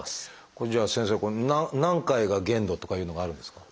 これじゃあ先生何回が限度とかいうのがあるんですか？